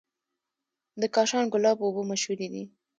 د کاشان ګلاب اوبه مشهورې دي.